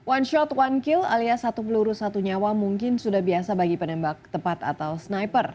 one shot one kill alias satu peluru satu nyawa mungkin sudah biasa bagi penembak tepat atau sniper